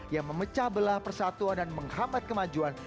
yang memecah belah persatuan dan menghambat kemajuan